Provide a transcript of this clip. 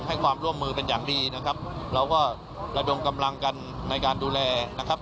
ให้ความร่วมมือเป็นอย่างดีนะครับเราก็ระดมกำลังกันในการดูแลนะครับ